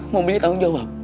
mobilnya tanggung jawab